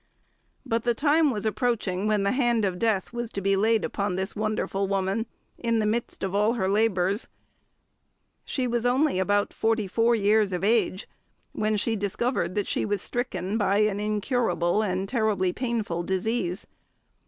But the time was approaching when the hand of death was to be laid upon this wonderful woman in the midst of all her labours. She was only about forty four years of age, when she discovered that she was stricken by an incurable and terribly painful disease.